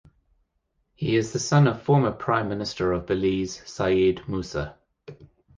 He is the son of former Prime Minister of Belize Said Musa.